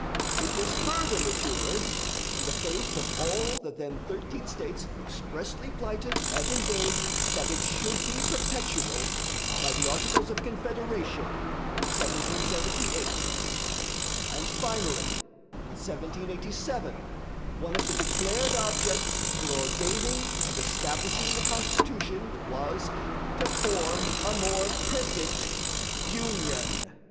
It was further matured, and the faith of all the then thirteen States expressly plighted and engaged that it should be perpetual, by the Articles of Confederation in 1778. And, finally, in 1787 one of the declared objects for ordaining and establishing the Constitution was "TO FORM A MORE PERFECT UNION."